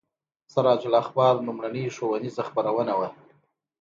سراج الاخبار لومړنۍ ښوونیزه خپرونه وه.